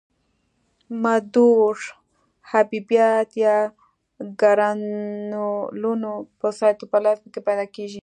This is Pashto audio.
مدور حبیبات یا ګرنولونه په سایتوپلازم کې پیدا کیږي.